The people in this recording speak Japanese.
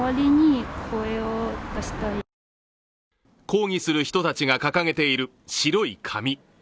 抗議する人たちが掲げている白い紙。